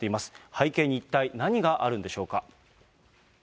背景に一体何があるんでしょうか。